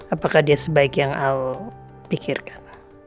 apakah dia sebaik yang allah pikirkan